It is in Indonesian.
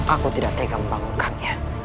aku tidak tega membangunkannya